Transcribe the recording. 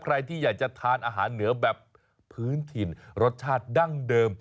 ใครที่อยากจะทานอาหารเหนือแบบพื้นถิ่นรสชาติดั้งเดิม